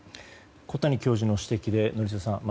小谷教授の指摘で宜嗣さん